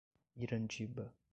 Mirandiba